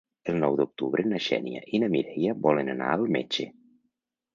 El nou d'octubre na Xènia i na Mireia volen anar al metge.